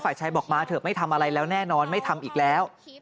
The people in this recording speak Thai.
ฝ่ายชายบอกมาเถอะไม่ทำอะไรแล้วแน่นอนไม่ทำอีกแล้ว